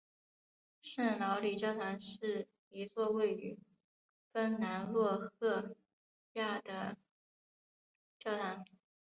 圣劳里教堂是一座位于芬兰洛赫亚的教堂。